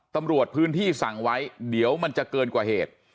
ตำรวจพื้นที่สั่งไว้เดี๋ยวมันจะเกินกว่าเหตุ